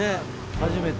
初めて。